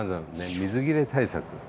水切れ対策。